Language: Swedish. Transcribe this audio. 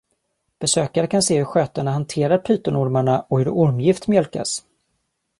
Besökare kan se hur skötarna hanterar pytonormarna och hur ormgift mjölkas.